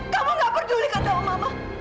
kamu nggak peduli ketawa mama